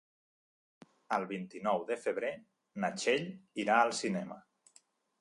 El vint-i-nou de febrer na Txell irà al cinema.